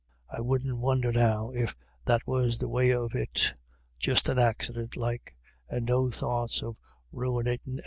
I wouldn't wonder now if that was the way of it : just an accident like, and no thoughts of ruinatin' anythin'.